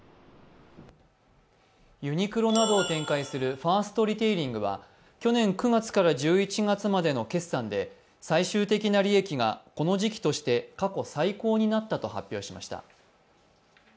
ユニクロなどを展開するファーストリテイリングは去年９月から１１月までの決算で最終的な利益が、この時期として過去最高になったと発表しました。